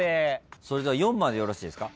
それでは４番でよろしいですか？